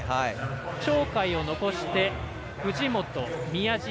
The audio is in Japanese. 鳥海を残して藤本、宮島